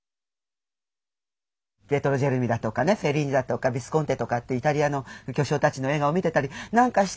ピエトロ・ジェルミだとかねフェリーニだとかヴィスコンティとかってイタリアの巨匠たちの映画を見てたりなんかして。